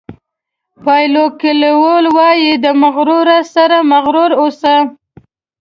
پایلو کویلو وایي د مغرورو سره مغرور اوسه.